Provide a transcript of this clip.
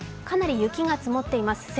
かなり雪が積もっています。